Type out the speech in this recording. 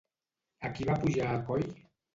A qui va pujar a coll?